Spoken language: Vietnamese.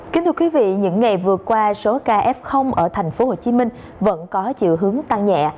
kính thưa quý vị những ngày vừa qua số ca f ở thành phố hồ chí minh vẫn có chiều hướng tăng nhẹ